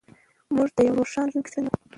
موږ د یوې روښانه راتلونکې څښتن یو.